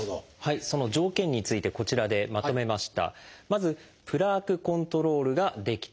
その条件についてこちらでまとめました。